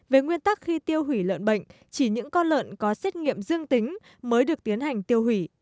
về nguyên tắc khi tiêu hủy lợn bệnh chỉ những con lợn có xét nghiệm dương tính mới được tiến hành tiêu hủy